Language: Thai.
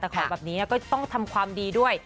แต่ของแบบนี้ก็ต้องทำความดีด้วย